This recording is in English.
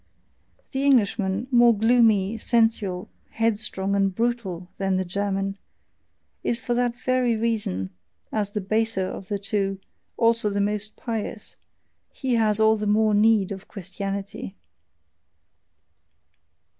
The Englishman, more gloomy, sensual, headstrong, and brutal than the German is for that very reason, as the baser of the two, also the most pious: he has all the MORE NEED of Christianity.